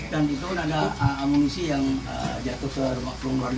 dan di situ ada amunisi yang jatuh di rumah keluarga tadi